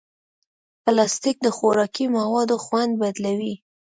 پلاستيک د خوراکي موادو خوند بدلوي.